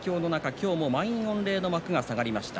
今日も満員御礼の幕が下がりました。